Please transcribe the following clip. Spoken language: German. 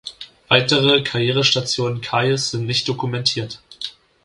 Weitere Karrierestationen Kayes sind nicht dokumentiert.